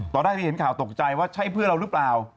ตอนแรกที่เห็นข่าวตกใจว่าใช่เพื่อนเราหรือเปล่า